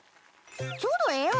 ちょうどええわ